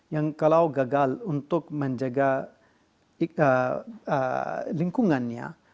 yang kalau gagal untuk menjaga lingkungannya